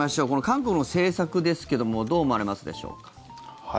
韓国の政策ですけどどう思われますでしょうか。